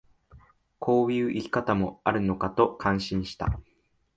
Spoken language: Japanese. こういう生き方もあるのかと感心した